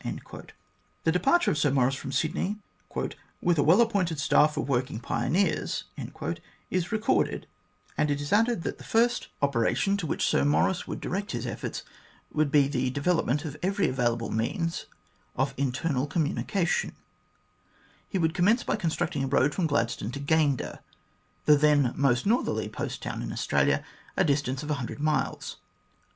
The departure of Sir Maurice from Sydney, "with a well appointed staff of working pioneers," is recorded, and it is added that the first THE GROWTH AND DEVELOPMENT OF GLADSTONE 77 operation to which Sir Maurice would direct his efforts would be the development of every available means of internal com munication. He would commence by constructing a road from Gladstone to Gayndah, the then most northerly post town in Australia, a distance of a hundred miles.